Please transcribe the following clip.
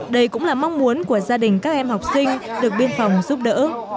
đây cũng là mong muốn của gia đình các em học sinh được biên phòng giúp đỡ